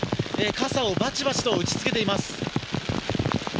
傘をバチバチと打ち付けています。